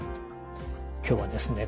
今日はですね